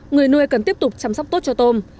người nuôi cần tiếp tục chăm sóc tốt cho tôm